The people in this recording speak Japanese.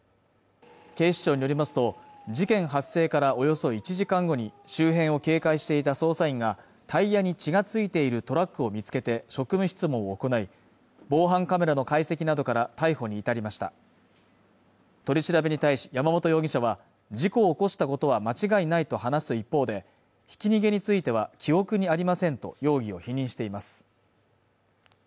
警視庁によりますと事件発生からおよそ１時間後に周辺を警戒していた捜査員がタイヤに血が付いているトラックを見つけて職務質問を行い防犯カメラの解析などから逮捕に至りました取り調べに対し山本容疑者は事故を起こしたことは間違いないと話す一方でひき逃げについては記憶にありませんと容疑を否認しています